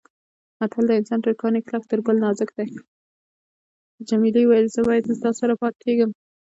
جميلې وويل: نو بیا زه له تا سره پاتېږم.